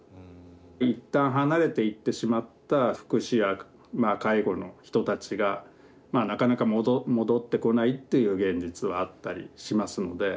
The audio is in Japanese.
一旦離れていってしまった福祉や介護の人たちがなかなか戻ってこないっていう現実はあったりしますので。